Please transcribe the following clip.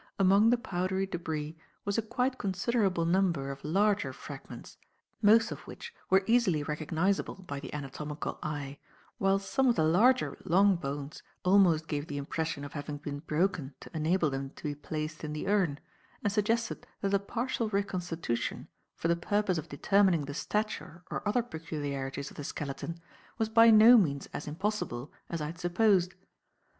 Among the powdery debris was a quite considerable number of larger fragments, most of which were easily recognizable by the anatomical eye, while some of the larger long bones almost gave the impression of having been broken to enable them to be placed in the urn, and suggested that a partial reconstitution, for the purpose of determining the stature or other peculiarities of the skeleton was by no means as impossible as I had supposed.